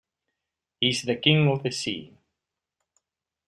He's the King of the Sea!